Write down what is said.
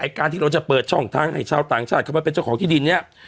การที่เราจะเปิดช่องทางให้ชาวต่างชาติเข้ามาเป็นเจ้าของที่ดินเนี่ย